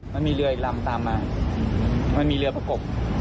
มันมีเรืออีกลำตามมามันมีเรือประกบ